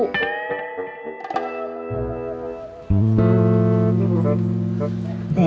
gantung saja kuncinya di pintu